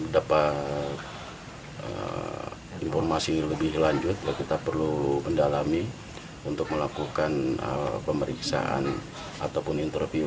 dapat informasi lebih lanjut kita perlu mendalami untuk melakukan pemeriksaan ataupun interview